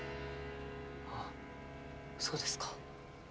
あそうですか。